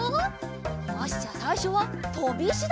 よしじゃあさいしょはとびいしだ！